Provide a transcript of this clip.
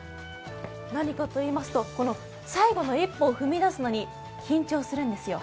何かといいますと、最後の一歩を踏み出すのに緊張するんですよ。